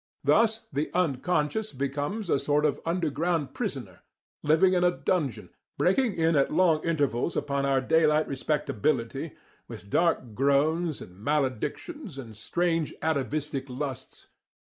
Thus "the unconscious" becomes a sort of underground prisoner, living in a dungeon, breaking in at long intervals upon our daylight respectability with dark groans and maledictions and strange atavistic lusts.